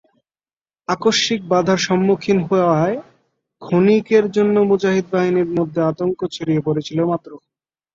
আকস্মিক বাঁধার সম্মুখীন হওয়ায় ক্ষণিকের জন্য মুজাহিদ বাহিনীর মধ্যে আতঙ্ক ছড়িয়ে পড়েছিল মাত্র।